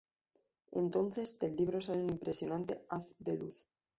Entonces del libro sale un impresionante haz de luz.